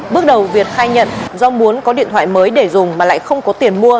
bước đầu việt khai nhận do muốn có điện thoại mới để dùng mà lại không có tiền mua